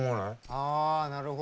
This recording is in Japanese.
ああなるほど。